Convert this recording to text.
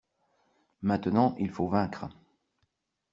Maintenant il faut vaincre.